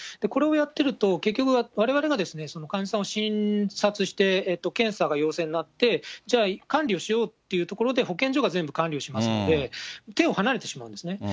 これをやってると、結局、われわれが患者さんを診察して、検査が陽性になって、じゃあ、管理をしようっていうところで、保健所が全部管理をしますので、手を離れてしまうんですね。